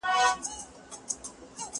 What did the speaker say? زه به سبا درسونه اورم وم!!